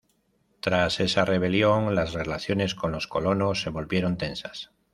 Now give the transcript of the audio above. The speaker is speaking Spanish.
Tras esa rebelión las relaciones con los colonos se volvieron tensas.